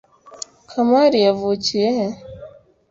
kamari yavukiye he